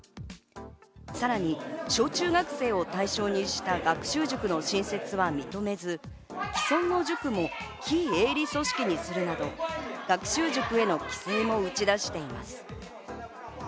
さらに小中学生を対象にした学習塾の新設は認めず、既存の塾も非営利組織にするなど学習塾への規制も打ち出しています。